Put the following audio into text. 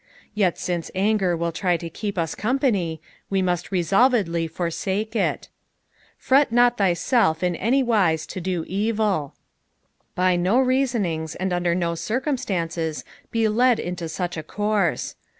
Yet since anger will try to keep us compaDj, we must resolvedly forsake it. " Fret not thyielf in any viUe lo do etU." By no reasonings and under no circumstances be led into such a course.